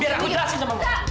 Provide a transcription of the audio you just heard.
biar aku jahatin sama kamu